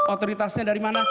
otoritasnya dari mana